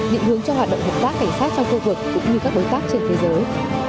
định hướng cho hoạt động hợp tác cảnh sát trong khu vực cũng như các đối tác trên thế giới